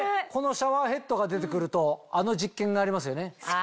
このシャワーヘッドが出て来るとあの実験がありますよね？